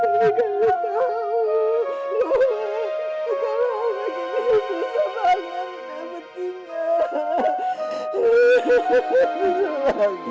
kalau allah gini